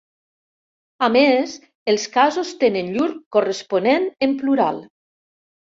A més els casos tenen llur corresponent en plural.